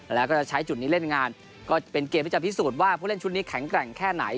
แล้วก็จะใช้จุดนี้เล่นงานก็เป็นเกมที่จะพิสูจน์ว่าผู้เล่นชุดนี้แข็งแกร่งแค่ไหน